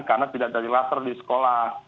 karena tidak terjadi kluster di sekolah